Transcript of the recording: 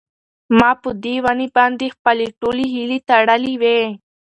ما په دې ونې باندې خپلې ټولې هیلې تړلې وې.